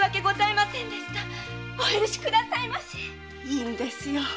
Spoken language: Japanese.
いいんですよ。